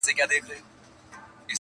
ښه ډاډه دي نه یې ډار سته له پیشیانو,